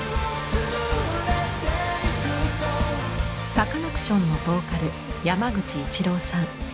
サカナクションのボーカル山口一郎さん。